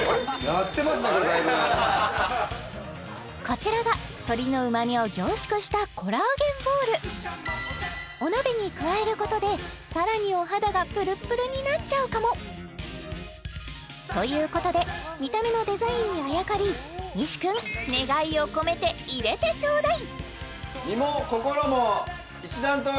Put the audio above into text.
やってますねだいぶこちらが鶏のうまみを凝縮したお鍋に加えることでさらにお肌がぷるぷるになっちゃうかもということで見た目のデザインにあやかり西君願いを込めて入れてちょうだいあ